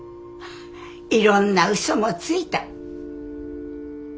いろんなうそもついた。